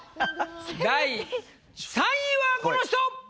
第３位はこの人！